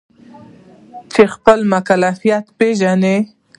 چې خپل مکلفیت پیژني.